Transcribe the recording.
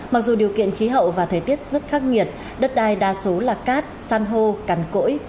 mặc dù điều kiện khí hậu và thời tiết rất khắc nghiệt đất đai đa số là cát san hô cằn cỗi